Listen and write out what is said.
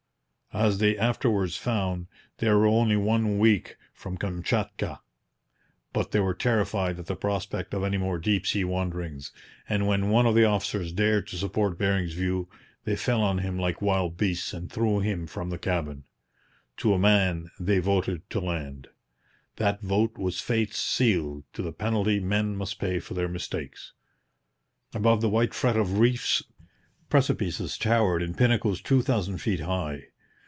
As they afterwards found, they were only one week from Kamchatka; but they were terrified at the prospect of any more deep sea wanderings, and when one of the officers dared to support Bering's view, they fell on him like wild beasts and threw him from the cabin. To a man they voted to land. That vote was fate's seal to the penalty men must pay for their mistakes. Above the white fret of reefs precipices towered in pinnacles two thousand feet high.